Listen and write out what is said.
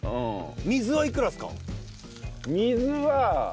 水はいくらですか？